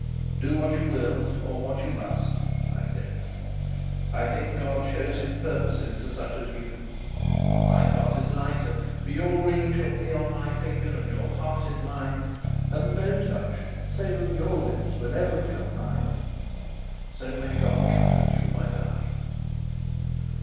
"Do what you will, or what you must," I said. "I think God shows His purposes to such as you. My part is lighter; for your ring shall be on my finger and your heart in mine, and no touch save of your lips will ever be on mine. So, may God comfort you, my darling!"